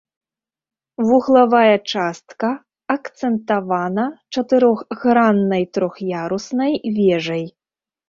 Вуглавая частка акцэнтавана чатырохграннай трох'яруснай вежай.